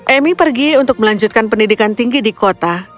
emi pergi untuk melanjutkan pendidikan tinggi di kota